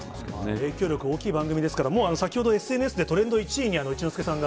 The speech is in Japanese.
影響力が大きい番組ですから、もう先ほど、ＳＮＳでトレンド１位に一之輔さんが。